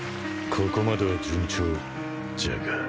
ここまでは順調じゃが